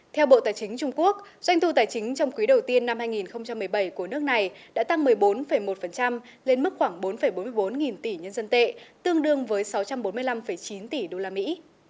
theo bộ tài chính trung quốc doanh thu tài chính trong quý đầu tiên năm hai nghìn một mươi bảy của nước này đã tăng một mươi bốn một lên mức khoảng bốn bốn mươi bốn nghìn tỷ nhân dân tệ tương đương với sáu trăm bốn mươi năm chín tỷ usd